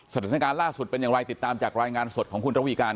สถานการณ์ล่าสุดเป็นอย่างไรติดตามจากรายงานสดของคุณระวีการ